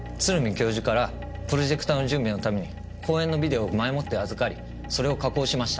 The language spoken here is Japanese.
教授からプロジェクターの準備のために講演のビデオを前もって預かりそれを加工しました。